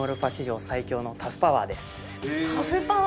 タフパワー。